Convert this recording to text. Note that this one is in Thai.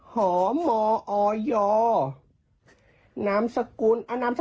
หอมอยนามสกุลรุงรัง